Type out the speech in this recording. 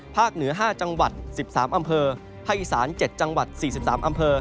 เหนือ๕จังหวัด๑๓อำเภอภาคอีสาน๗จังหวัด๔๓อำเภอ